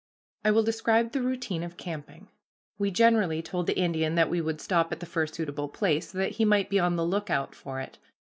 I will describe the routine of camping. We generally told the Indian that we would stop at the first suitable place, so that he might be on the lookout for it.